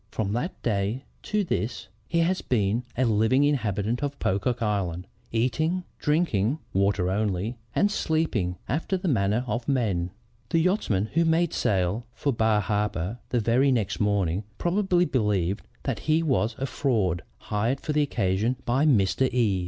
From that day to this, he has been a living inhabitant of Pocock Island, eating, drinking, (water only) and sleeping after the manner of men. The yachtsmen who made sail for Bar Harbor the very next morning, probably believe that he was a fraud hired for the occasion by Mr. E